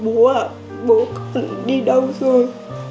con không có bố à bố con đi đâu rồi